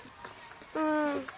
うん。